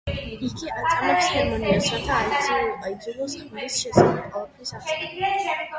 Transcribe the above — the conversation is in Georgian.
იგი აწამებს ჰერმიონს, რათა აიძულოს ხმლის შესახებ ყველაფრის ახსნა.